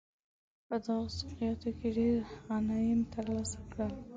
په دغو سوقیانو کې ډېر غنایم ترلاسه کړل.